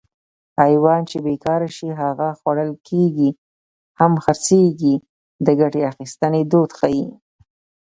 حیوان چې بېکاره شي هم خوړل کېږي هم خرڅېږي د ګټې اخیستنې دود ښيي